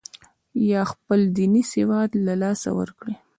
یا خپل دیني سواد له لاسه ورکړي.